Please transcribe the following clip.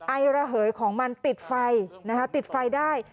ไอระเหยของมันติดไฟนะคะติดไฟได้